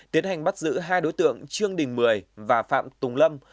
tiến hành bắt giữ hai đối tượng trương đình mười và phạm tùng lâm